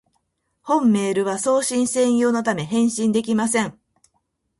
本メールは送信専用のため、返信できません